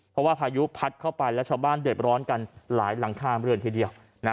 เพราะว่าพายุพัดเข้าไปแล้วชาวบ้านเดือดร้อนกันหลายหลังคาเมืองทีเดียว